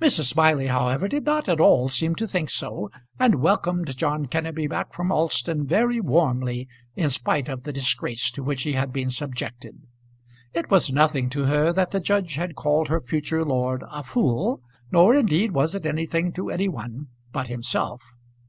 Mrs. Smiley, however, did not at all seem to think so, and welcomed John Kenneby back from Alston very warmly in spite of the disgrace to which he had been subjected. It was nothing to her that the judge had called her future lord a fool; nor indeed was it anything to any one but himself.